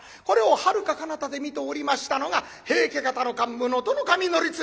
これをはるかかなたで見ておりましたのが平家方の桓武能登守教経。